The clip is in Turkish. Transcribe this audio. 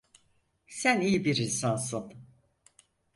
Sen iyi bir insansın.